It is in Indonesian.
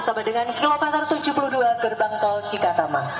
sama dengan kilometer tujuh puluh dua gerbang tol cikatama